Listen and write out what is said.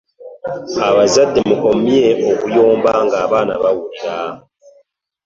Abazadde mukomye okuyomba ng'abaana bawulira.